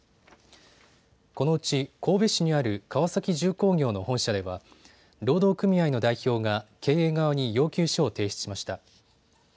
このうち神戸市にある川崎重工業の本社では労働組合の代表が経営側に要求書を提出しました。